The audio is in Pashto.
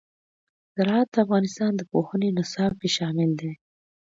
زراعت د افغانستان د پوهنې نصاب کې شامل دي.